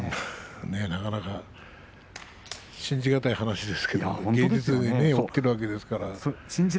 なかなか信じがたい話ですけど現実に起きているわけですから。